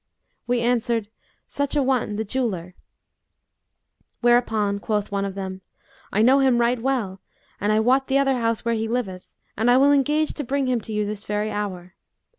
We answered, 'Such an one, the jeweller; whereupon quoth one of them, 'I know him right well and I wot the other house where he liveth and I will engage to bring him to you this very hour.